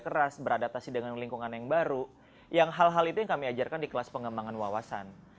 hal hal itu yang kami ajarkan di kelas pengembangan wawasan